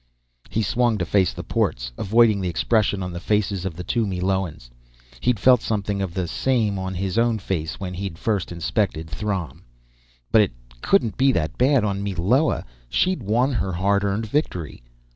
He swung to face the ports, avoiding the expression on the faces of the two Meloans. He'd felt something of the same on his own face when he'd first inspected Throm. But it couldn't be that bad on Meloa; she'd won her hard earned victory!